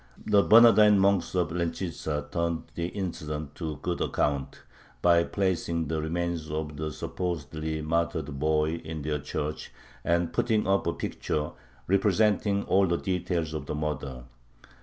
The Bernardine monks of Lenchitza turned the incident to good account by placing the remains of the supposedly martyred boy in their church and putting up a picture representing all the details of the murder.